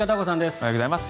おはようございます。